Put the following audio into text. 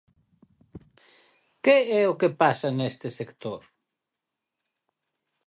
¿Que é o que pasa neste sector?